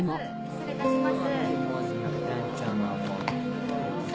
失礼いたします。